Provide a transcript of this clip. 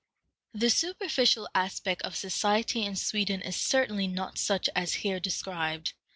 The superficial aspect of society in Sweden is certainly not such as here described.